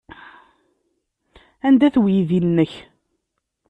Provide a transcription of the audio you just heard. Anda-t weydi-nnek?